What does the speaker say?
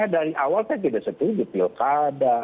dari awal saya tidak setuju pilkada